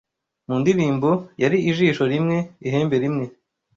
Mu ndirimbo, "yari ijisho rimwe, ihembe rimwe,